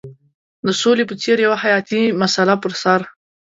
د سولې په څېر یوه حیاتي مسله پر سر.